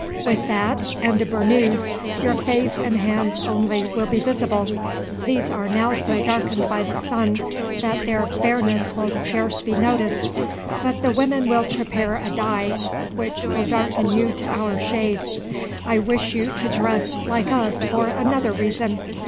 With that and a burnoose your face and hands only will be visible. These are now so darkened by the sun that their fairness will scarce be noticed, but the women will prepare a dye which will darken you to our shade. I wish you to dress like us for another reason.